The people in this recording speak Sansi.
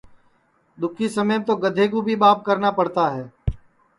دُؔکھی سمیپ تو گدھے کُو بھی ٻاپ کرنا پڑتا ہے